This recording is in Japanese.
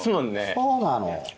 そうなの。